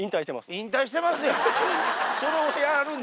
引退してますやん。